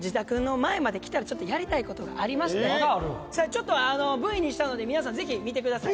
ちょっとＶにしたので皆さんぜひ見てください。